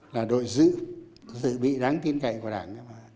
là đội dự bị đáng tin cảnh của đảng